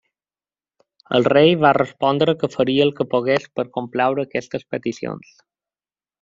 El rei va respondre que faria el que pogués per complaure aquestes peticions.